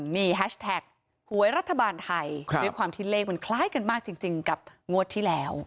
นี่แฮชแท็กหวยรัฐบาลไทยด้วยความที่เลขมันคล้ายกันมากจริงกับงวดที่แล้ว